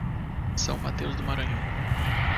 São Mateus do Maranhão